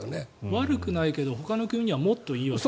悪くないけどほかの国はもっといいと。